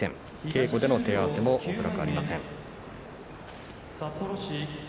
稽古での手合わせも恐らくありません。